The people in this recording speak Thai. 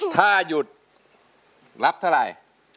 ถ้าหยุดรับเท่าไหร่